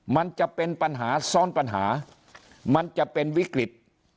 มันจะเป็นปัญหาซ้อนปัญหามันจะเป็นวิกฤต